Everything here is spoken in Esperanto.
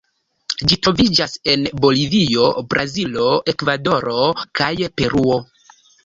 Ĝi troviĝas en Bolivio, Brazilo, Ekvadoro kaj Peruo.